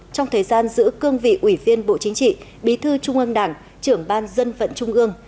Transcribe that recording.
trong thời gian giữ cương vị ủy viên bộ chính trị bí thư trung ương đảng trưởng ban dân vận trung ương